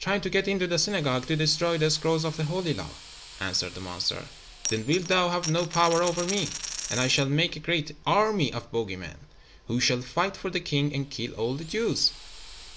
"Trying to get into the synagogue to destroy the scrolls of the Holy Law," answered the monster. "Then wilt thou have no power over me, and I shall make a great army of bogey men who shall fight for the king and kill all the Jews."